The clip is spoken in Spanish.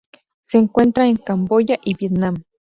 Se encuentra en Camboya y Vietnam.